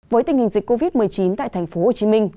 với tình hình dịch covid một mươi chín tại tp hcm